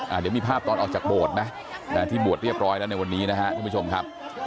อ่าเดี๋ยวมีภาพตอนออกจากโบวทนะฮะที่โบวทเรียบร้อยแล้วในวันนี้นะฮะ